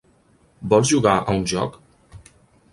Vols jugar a un joc?